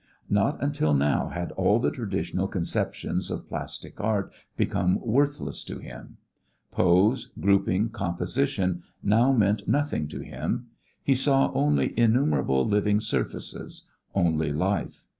Not until now had all the traditional conceptions of plastic art become worthless to him. Pose, grouping, composition now meant nothing to him. He saw only innumerable living surfaces, only life.